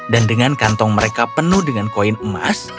dengan kantong mereka penuh dengan koin emas